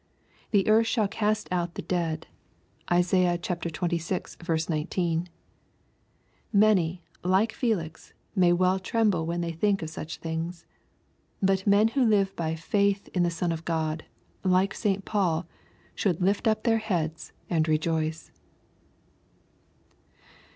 " The earth shall cast out the dead.'' (Isaiah xxvi. 19.) Many, like Felix, may well tremble when they think of such things. But men who live by faith in the Son of God, like St. Paul, should lift up their heads and rejoice.